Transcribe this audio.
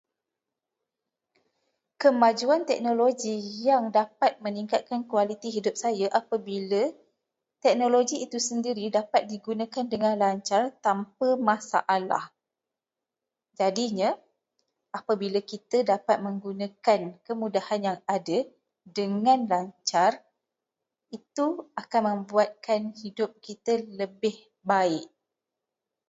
Kemajuan teknologi yang dapat meningkatkan kualiti hidup saya apabila teknologi itu sendiri dapat digunakan dengan lancar tanpa masalah. Jadinya, apabila kita dapat menggunakan kemudahan yang ada dengan lancar, itu akan membuatkan hidup kita lebih baik.